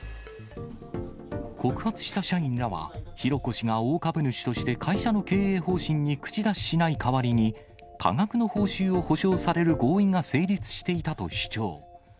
告発した社員らは、浩子氏が大株主として会社の経営方針に口出ししない代わりに、多額の報酬を保証される合意が成立していたと主張。